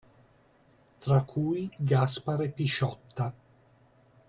Tra cui Gaspare Pisciotta.